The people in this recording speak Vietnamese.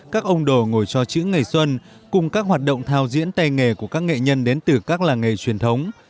các ông đồ ngồi cho chữ ngày xuân cùng các hoạt động thao diễn tay nghề của các nghệ nhân đến từ các làng nghề truyền thống